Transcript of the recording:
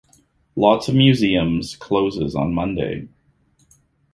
Lots of museums closes on Monday.